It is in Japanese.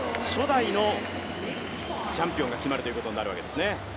初代のチャンピオンが決まるということになります。